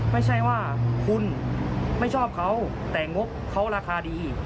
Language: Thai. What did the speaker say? ไม่ใช่ว่าคุณไม่ชอบเขาแต่งบเขาราคาดี